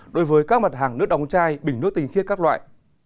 đối với các mặt hàng nước đóng chai bình nước tinh khiết các loại